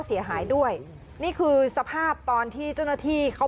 เสียหายด้วยนี่คือสภาพตอนที่เจ้าหน้าที่เขา